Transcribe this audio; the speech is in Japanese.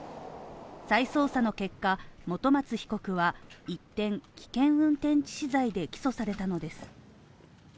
再捜査の結果、本松被告は一転、危険運転致死罪で起訴されたのです。